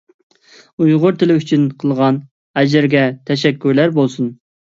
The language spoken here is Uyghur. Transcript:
ئۇيغۇر تىلى ئۈچۈن قىلغان ئەجرىگە تەشەككۈرلەر بولسۇن!